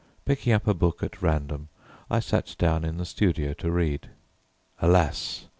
Picking up a book at random, I sat down in the studio to read. Alas!